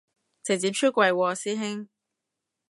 直接出櫃喎師兄